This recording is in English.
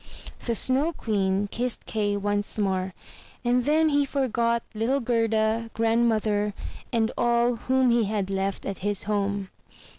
The Snow Queen kissed Kay once more, and then he forgot little Gerda, grandmother, and all whom he had left at his home.